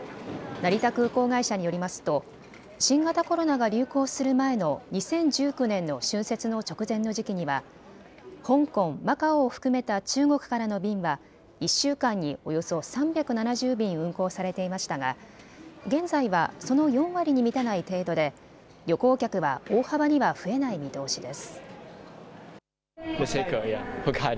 成田空港会社によりますと新型コロナが流行する前の２０１９年の春節の直前の時期には香港、マカオを含めた中国からの便は１週間におよそ３７０便運航されていましたが現在はその４割に満たない程度で旅行客は大幅には増えない見通しです。